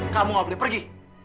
kamu ngoblet pergi